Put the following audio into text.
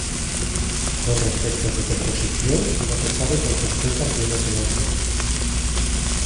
Con respecto a su composición, no se sabe con certeza quien es el autor.